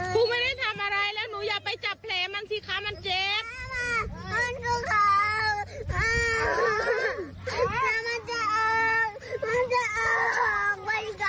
กูไม่ได้ทำอะไรแล้วหนูอย่าไปจับแผลมันสิคะมันเจ็บ